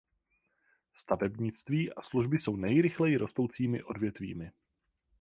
Stavebnictví a služby jsou nejrychleji rostoucími odvětvími.